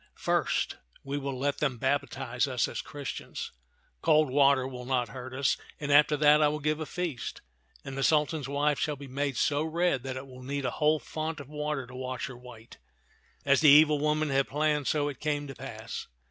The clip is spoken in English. " First, we will let them baptize us as Christians — cold water will not hurt us — and after that I will give a feast ; and the Sultan's wife shall be made so red that it will need a whole font of water to wash her white." As the evil woman had planned, so it came to pass.